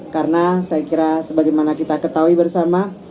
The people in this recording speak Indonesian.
karena saya kira sebagaimana kita ketahui bersama